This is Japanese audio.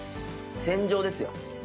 戦場ですよ。